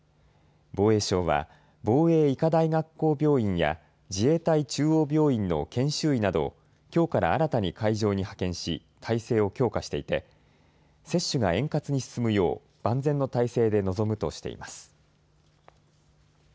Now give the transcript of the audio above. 防衛省は防衛医科大学校病院や自衛隊中央病院の研修医などをきょうから新たに会場に派遣し体制を強化していて接種が円滑に進むよう万全の体制で臨むとしています。